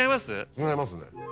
違いますね。